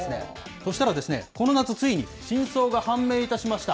そうしたら、この夏ついに、真相が判明いたしました。